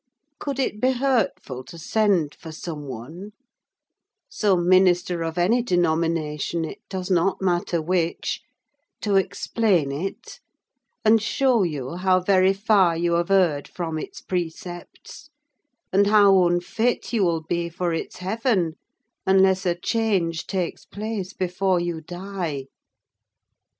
Could it be hurtful to send for some one—some minister of any denomination, it does not matter which—to explain it, and show you how very far you have erred from its precepts; and how unfit you will be for its heaven, unless a change takes place before you die?"